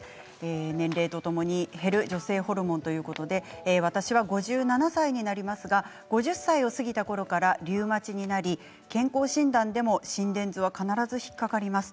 年齢とともに減る女性ホルモンということで私は５７歳になりますが５０歳を過ぎたころからリウマチになり健康診断でも心電図は必ず引っかかります。